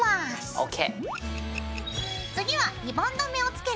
ＯＫ！